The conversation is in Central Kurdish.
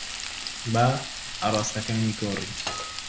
با ئاراستەکانی گۆڕی.